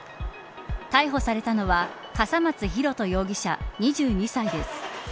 逮捕されたのは笠松大翔容疑者、２２歳です。